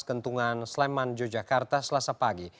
kentungan sleman yogyakarta selasa pagi